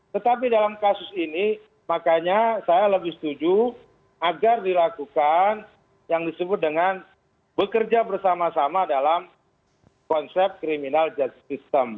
tetapi dalam kasus ini makanya saya lebih setuju agar dilakukan yang disebut dengan bekerja bersama sama dalam konsep criminal justice system